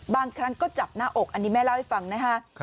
บางครั้งก็จับหน้าอกอันนี้แม่เล่าให้ฟังนะฮะ